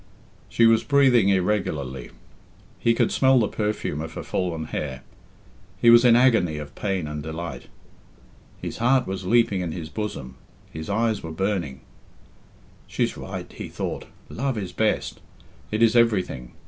She was breathing irregularly. He could smell the perfume of her fallen hair. He was in agony of pain and delight. His heart was leaping in his bosom; his eyes were burning. "She's right," he thought. "Love is best. It is everything.